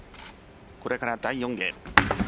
これから第４ゲーム。